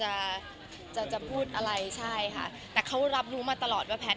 จะจะพูดอะไรใช่ค่ะแต่เขารับรู้มาตลอดว่าแพทย